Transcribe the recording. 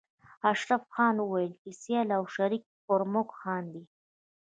اشرف خان ويل چې سيال او شريک به پر موږ خاندي